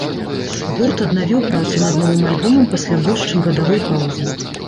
Гурт аднавіў працу над новым альбомам пасля больш, чым гадавой паўзы.